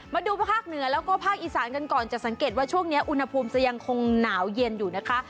มาดูภาคเหนือแล้วก็ภาคอีสานกันก่อนจะสังเกตว่าช่วงนี้อุณหภูมิจะยังคงหนาวเย็นอยู่นะคะ